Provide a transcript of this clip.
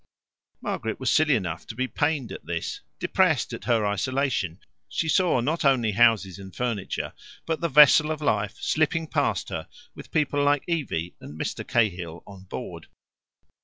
Margaret was silly enough to be pained at this. Depressed at her isolation, she saw not only houses and furniture, but the vessel of life itself slipping past her, with people like Evie and Mr. Cahill on board.